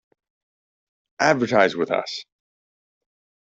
Advertise with us!